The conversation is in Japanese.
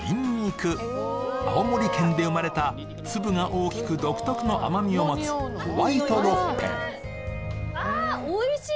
青森県で生まれた粒が大きく独特の甘味を持つホワイト六片わっおいしい